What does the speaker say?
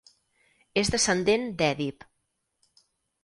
És descendent d'Èdip.